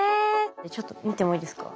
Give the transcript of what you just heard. ちょっと見てもいいですか？